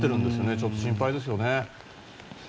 ちょっと心配ですよね。